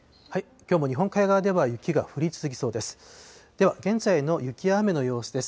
きょうも日本海側では雪が降り続きそうです。